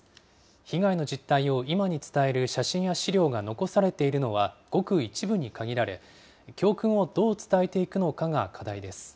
被害の実態を今に伝える写真や資料が残されているのはごく一部に限られ、教訓をどう伝えていくのかが、課題です。